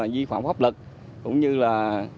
di phạm pháp lực cũng như là